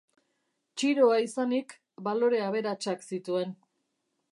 Txiroa izanik, balore aberatsak zituen.